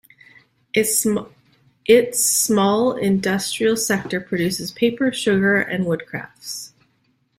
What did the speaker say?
Its small industrial sector produces paper, sugar, and wood crafts.